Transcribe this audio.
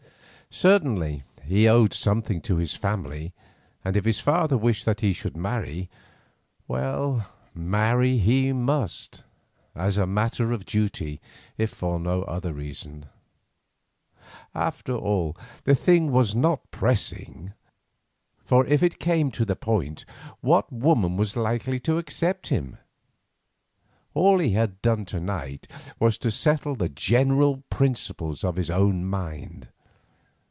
Certainly he owed something to his family, and if his father wished that he should marry, well, marry he must, as a matter of duty, if for no other reason. After all, the thing was not pressing; for it it came to the point, what woman was likely to accept him? All he had done to night was to settle the general principles in his own mind.